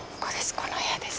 この部屋です。